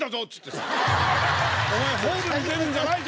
お前ホールに出るんじゃないぞ！